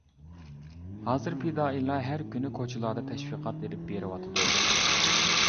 ھازىر پىدائىيلار ھەر كۈنى كوچىلاردا تەشۋىقات ئېلىپ بېرىۋاتىدۇ.